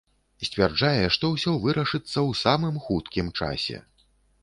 Сцвярджае, што ўсё вырашыцца у самым хуткім часе.